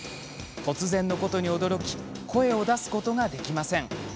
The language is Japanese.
突然のことに驚き声を出すことができません。